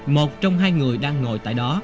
một trong hai người đang ngồi tại đó